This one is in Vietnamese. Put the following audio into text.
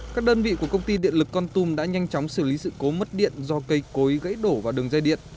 các đơn vị của công ty điện lực con tum đã nhanh chóng xử lý sự cố mất điện do cây cối gãy đổ vào đường dây điện